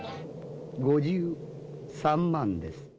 ５３万です。